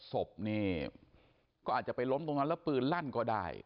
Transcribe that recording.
ตอนนี้กำลังจะโดดเนี่ยตอนนี้กำลังจะโดดเนี่ย